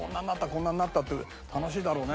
「こんなんなった」って楽しいだろうね。